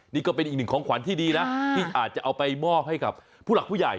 นี่ก็เป็นอีกหนึ่งของขวัญที่ดีนะที่อาจจะเอาไปมอบให้กับผู้หลักผู้ใหญ่